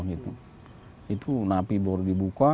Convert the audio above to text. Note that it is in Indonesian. itu napi baru dibuka